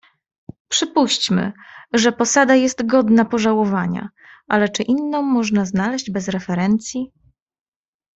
"Przypuśćmy, że posada jest godna pożałowania, ale czy inną można znaleźć bez referencji?"